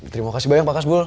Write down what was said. terimakasih banyak pak kasbul